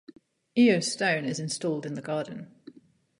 Iyo Stone is installed in the garden.